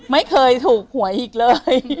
ไม่เคยถูกหวยอีกเลย